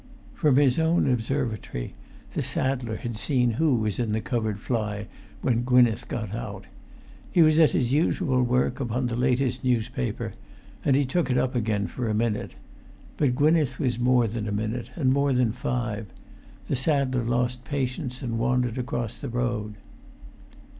From his own observatory the saddler had seen[Pg 398] who was in the covered fly, when Gwynneth got out. He was at his usual work upon the latest newspaper, and he took it up again for a minute. But Gwynneth was more than a minute, and more than five; the saddler lost patience, and wandered across the road.